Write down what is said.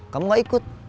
kamu gak ikut